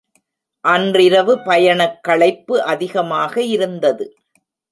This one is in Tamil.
அன்றிரவு பயணக் களைப்பு அதிகமாக இருந்தது.